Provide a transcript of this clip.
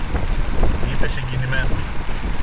είπε συγκινημένος.